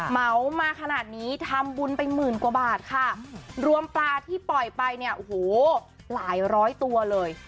เหมามาขนาดนี้ทำบุญไปหมื่นกว่าบาทค่ะรวมปลาที่ปล่อยไปเนี่ยโอ้โหหลายร้อยตัวเลย